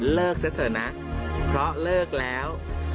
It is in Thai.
เลิกซะเถอะนะเพราะเลิกแล้ว